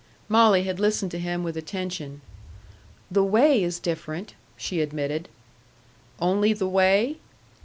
Molly had listened to him with attention. "The way is different," she admitted. "Only the way?"